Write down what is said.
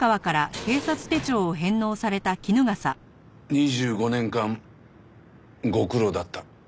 ２５年間ご苦労だった。